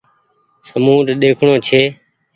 سمونڌ ۮيکڻو ڇي